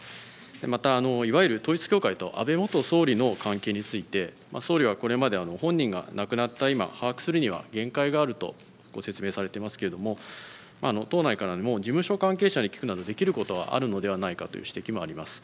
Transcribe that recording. また、いわゆる統一教会と安倍元総理の関係について総理はこれまで本人が亡くなった今把握するには限界があるとご説明されていますけども党内からも事務所関係者に聞くなどできることはあるのではないかという指摘もあります。